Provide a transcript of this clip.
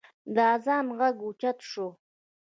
د اذان غږ اوچت شو.